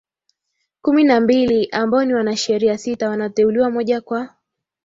Kumi na mbili ambao ni wanasheria sita wanateuliwa moja kwa